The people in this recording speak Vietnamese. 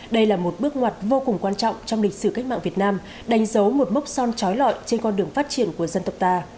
đây là một bước ngoặt vô cùng quan trọng trong lịch sử cách mạng việt nam đánh dấu một mốc son trói lọi trên con đường phát triển của dân tộc ta